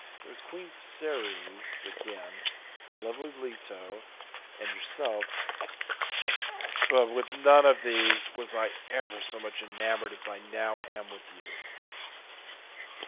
There was queen Ceres again, and lovely Leto, and yourself—but with none of these was I ever so much enamoured as I now am with you."